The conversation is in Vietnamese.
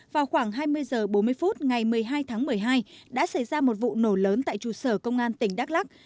vào khoảng hai mươi h bốn mươi phút ngày một mươi hai tháng một mươi hai đã xảy ra một vụ nổ lớn tại trụ sở công an tỉnh đắk lắc